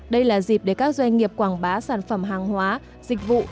đây là dịp để các doanh nghiệp quảng bá sản phẩm hàng hóa dịch vụ